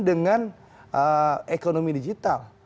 dengan ekonomi digital